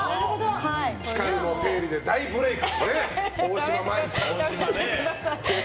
「ピカルの定理」で大ブレーク。